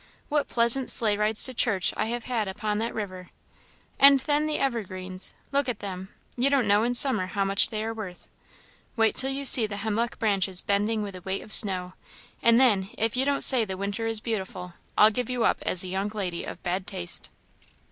What pleasant sleigh rides to church I have had upon that river! And then the evergreens, look at them; you don't know in summer how much they are worth. Wait till you see the hemlock branches bending with a weight of snow, and then, if you don't say the winter is beautiful, I'll give you up as a young lady of bad taste."